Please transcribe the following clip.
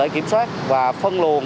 kiểm soát và phân luận